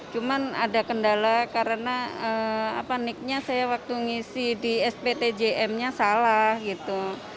cuman ada kendala karena niknya saya waktu ngisi di sptjm nya salah gitu